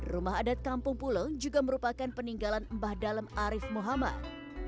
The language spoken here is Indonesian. rumah adat kampung pulo juga merupakan peninggalan mbah dalem arief muhammad